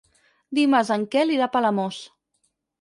Dimarts en Quel irà a Palamós.